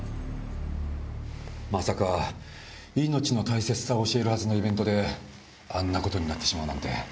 まさか命の大切さを教えるはずのイベントで、あんなことになってしまうなんて。